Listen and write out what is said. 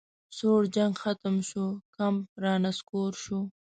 سوړ جنګ ختم شو کمپ رانسکور شو